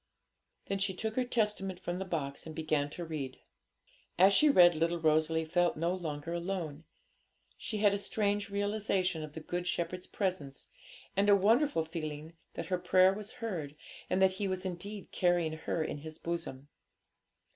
Then she took her Testament from the box and began to read. As she read, little Rosalie felt no longer alone. She had a strange realisation of the Good Shepherd's presence, and a wonderful feeling that her prayer was heard, and that He was indeed carrying her in His bosom.